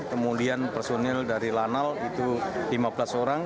kemudian personil dari lanal itu lima belas orang